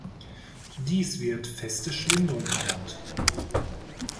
Dies wird „feste Schwindung“ genannt.